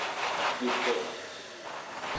you کے